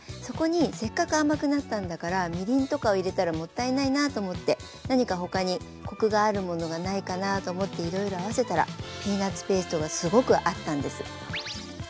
そこにせっかく甘くなったんだからみりんとかを入れたらもったいないなと思って何か他にコクがあるものがないかなと思っていろいろ合わせたらピーナツペーストがすごく合ったんです。